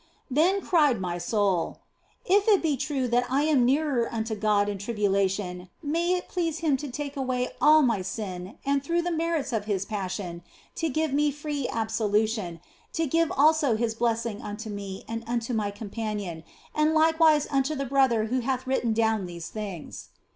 Then cried my soul " If it be true that I am nearer unto God in tribulation, may it please Him to take away all my sin and through the merits of His Passion to give me free absolution, to give also His blessing unto me and unto my companion, and likewise unto the brother who hath written down these things."